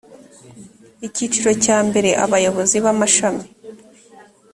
icyiciro cya mbere abayobozi b amashami